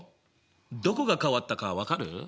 どこが変わったか分かる？